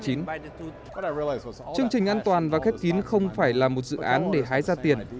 chương trình an toàn và khép kín không phải là một dự án để hái ra tiền